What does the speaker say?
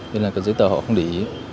nên là cái giấy tờ họ không để ý